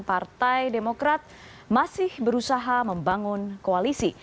partai demokrat masih berusaha membangun koalisi